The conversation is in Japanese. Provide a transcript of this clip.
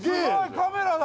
カメラだ！